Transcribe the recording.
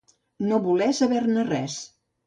No voler saber-ne res.